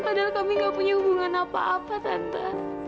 padahal kami gak punya hubungan apa apa tante